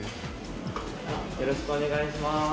よろしくお願いします。